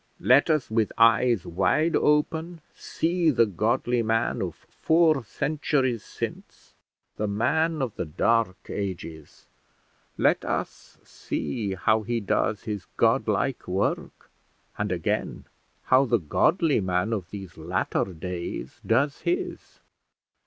Let us with eyes wide open see the godly man of four centuries since, the man of the dark ages; let us see how he does his godlike work, and, again, how the godly man of these latter days does his.